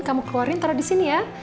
kamu keluarin taruh di sini ya